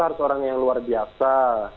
harus orang yang luar biasa